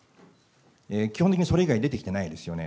基本的にそれ以外出てきてないですよね。